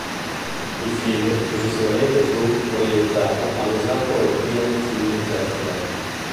Il film successivamente fu proiettato all'Osaka European Film Festival.